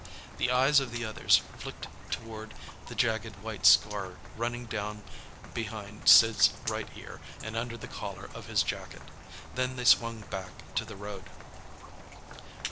The eyes of the others flicked toward the jagged white scar running down behind Sid's right ear and under the collar of his jacket. Then they swung back to the road.